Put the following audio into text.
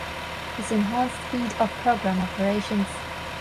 This enhanced speed of program operations.